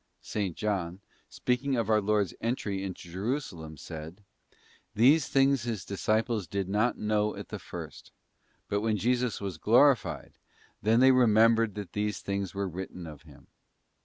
'* §S. John, speaking of our Lord's entry into Jerusalem, says: 'These things His disciples did not know at the first; but when Jesus was glorified, then they remembered that these things were written of Him.